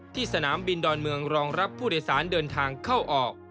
สนามบินดอนเมืองรองรับผู้โดยสารเดินทางเข้าออก